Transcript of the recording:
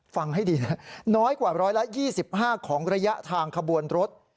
ฟังให้ดีนะน้อยกว่า๑๒๕ของระยะทางขบวนรถ